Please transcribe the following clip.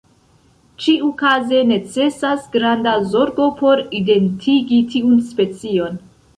Ĉiukaze necesas granda zorgo por identigi tiun specion.